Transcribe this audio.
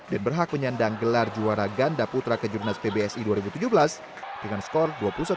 dan berhak menyandang gelar juara ganda putra kejurnas pbsi dua ribu tujuh belas dengan skor dua puluh satu tiga belas dua puluh satu tujuh belas